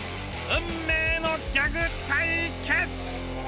運命のギャグ対決。